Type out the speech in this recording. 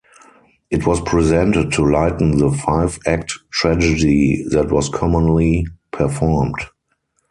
It was presented to lighten the five-act tragedy that was commonly performed.